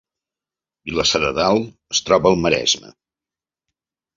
Vilassar de Dalt es troba al Maresme